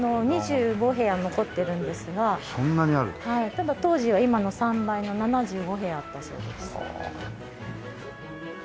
ただ当時は今の３倍の７５部屋あったそうです。